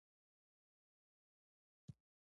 زه په لاهور کې لویه شوې یم.